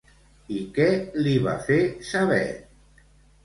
I què li va fer saber?